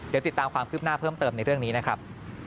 เดี๋ยวติดตามความคืบหน้าเพิ่มเติมในเรื่องนี้นะครับ